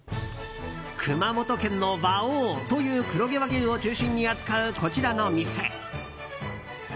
熊本県の和王という黒毛和牛を中心に扱うこちらの店。